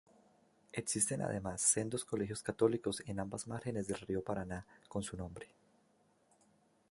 Existen además sendos colegios católicos en ambas márgenes del río Paraná con su nombre.